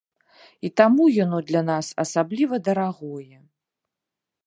І таму яно для нас асабліва дарагое.